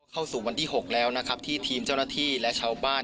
เข้าสู่วันที่๖แล้วนะครับที่ทีมเจ้าหน้าที่และชาวบ้าน